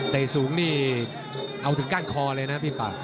แต่สูงนี่เอาถึงก้านคอเลยนะพี่ปาก